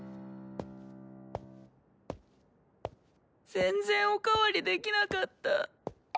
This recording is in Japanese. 全然お代わりできなかった。